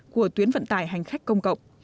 của tuyến vận tải hành khách công cộng